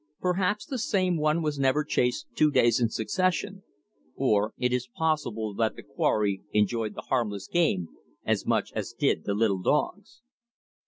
Perhaps the same one was never chased two days in succession. Or it is possible that the quarry enjoyed the harmless game as much as did the little dogs.